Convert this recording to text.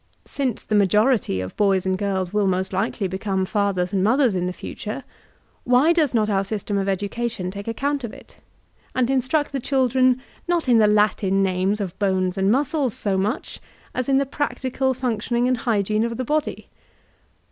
Since the majority of boys and girls will most likely become fathers and mothers m the 332 VOLTAOUNE DE ClEYKE future, why does not our system of education take ac count of it, and instruct the children not in the Latin names of bones and muscles so much, as in the practical functioning and hygiene of the body?